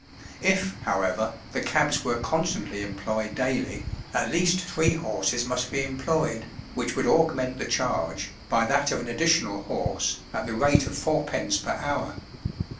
If, however, the cabs were constantly employed daily, at least three horses must be employed, which would augment the charge, by that of an additional horse, at the rate of 4d. per hour.